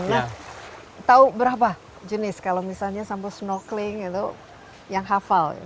nah tahu berapa jenis kalau misalnya sampel snorkeling itu yang hafal